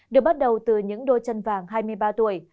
được bắt đầu từ những đôi chân vàng hai mươi ba tuổi